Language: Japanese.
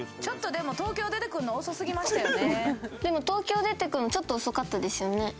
でも東京出てくるのちょっと遅かったですよね。